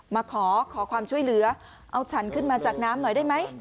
มาขอขอความช่วยเหลือเอาฉันขึ้นมาจากน้ำหน่อยได้ไหม